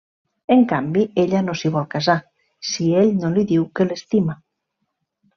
En canvi, ella no s’hi vol casar si ell no li diu que l’estima.